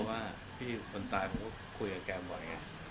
เพราะว่าพี่คนตายผมก็คุยกับแกบ่อยไง